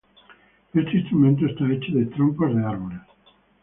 Este instrumento está hecho de troncos de árboles.